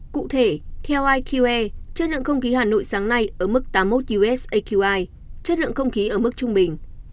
cụ thể theo iqe chất lượng không khí hà nội sáng nay ở mức tám mươi một us aqi chất lượng không khí ở mức trung bình